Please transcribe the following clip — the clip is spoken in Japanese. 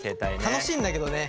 楽しいんだけどね。